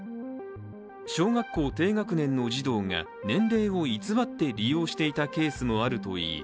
小学校低学年の児童が年齢を偽って利用していたケースもあるといい